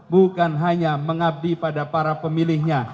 bukan hanya mengabdi pada para pemilihnya